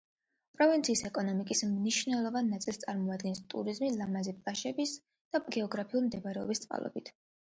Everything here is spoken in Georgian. პროვინციის ეკონომიკის მნიშვნელოვან ნაწილს წარმოადგენს ტურიზმი, ლამაზი პლაჟების და გეოგრაფიული მდებარეობის წყალობით.